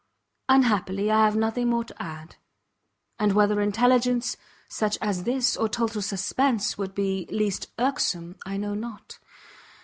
Unhappily, I have nothing more to add: and whether intelligence, such as this, or total suspense, would be least irksome, I know not.